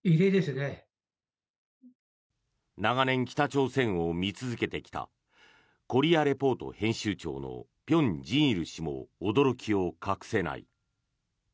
長年、北朝鮮を見続けてきた「コリア・レポート」編集長の辺真一氏も驚きを隠せない。